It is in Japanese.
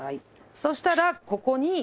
そしたらここに油。